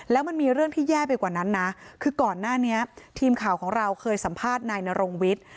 แล้วมันมีเรื่องที่แย่ไปกว่านั้นนะคือก่อนหน้านี้ทีมข่าวของเราเคยสัมภาษณ์นายนรงวิทย์